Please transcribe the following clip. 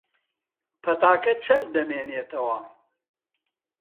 پەتاکە چەند دەمێنێتەوە؟